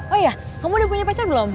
oh iya kamu udah punya pacar belum